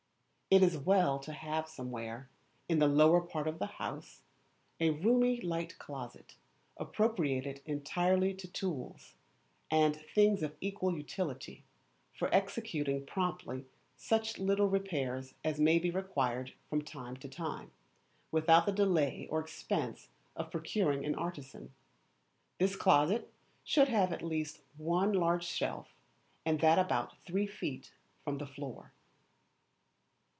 It is well to have somewhere, in the lower part of the house, a roomy light closet, appropriated entirely to tools, and things of equal utility, for executing promptly such little repairs as may be required from time to time, without the delay or expense of procuring an artisan. This closet should have at least one large shelf, and that about three feet from the floor.